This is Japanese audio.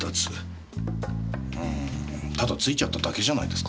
あただ付いちゃっただけじゃないですか？